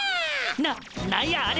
な何やあれ！？